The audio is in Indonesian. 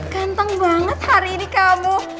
ganteng banget hari ini kamu